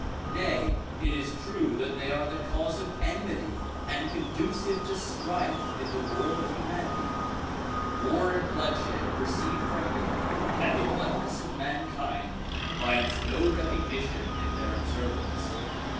Nay, it is true that they are the cause of enmity and conducive to strife in the world of humanity ; war and bloodshed proceed from them and the one ness of mankind finds no recognition in their observance.